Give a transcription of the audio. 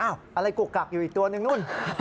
อะไรกุกกักอยู่อีกตัวนึงนู่น